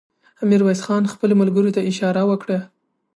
ميرويس خان خپلو ملګرو ته اشاره وکړه.